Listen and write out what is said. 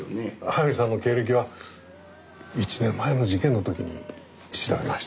早見さんの経歴は１年前の事件の時に調べましたので。